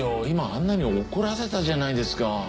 今あんなに怒らせたじゃないですか。